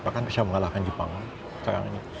bahkan bisa mengalahkan jepang sekarang ini